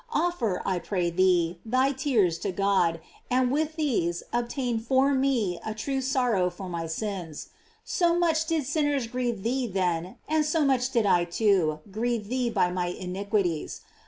Offer, I pray thee, thy tears to God, and with these obtain for me a true sorrow for my sins. So much did sin ners grieve thee, then, and so much did I, too, grieve thee by my iniquities.